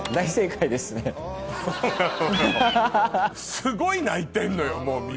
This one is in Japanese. すごい泣いてんのよもうみんな。